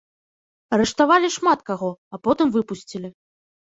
Арыштавалі шмат каго, а потым выпусцілі.